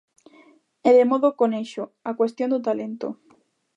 E de modo conexo, a cuestión do talento.